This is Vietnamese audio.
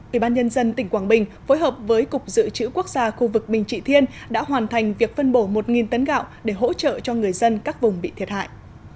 ubnd tỉnh quảng bình phối hợp với cục dự trữ quốc gia khu vực bình trị thiên đã hoàn thành việc phân bổ một tấn gạo để hỗ trợ cho người dân các vùng bị thiệt hại